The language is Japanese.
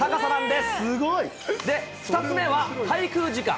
で、２つ目は、滞空時間。